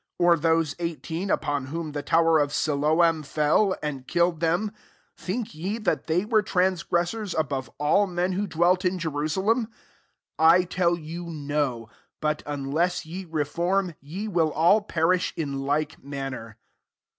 4 Or those eighteen, upon whom the tower of Siloam fell, and killed them ; think ye that they were transgressors above all men who dwelt in Jerusalem? 5 I tell you, No ; but, unless ye reform, ye will all perish in like manner."